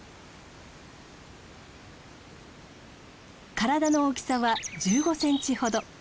体の大きさは１５センチほど。